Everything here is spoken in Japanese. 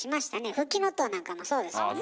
フキノトウなんかもそうですもんね。